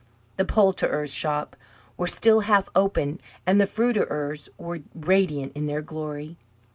The poulterers' shops were still half open, and the fruiterers' were radiant in their glory.